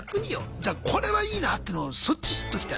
じゃあ「これはいいな」っていうのそっち知っときたい。